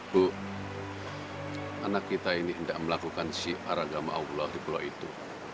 bu anak kita ini tidak melakukan syiar agama allah di pulau itu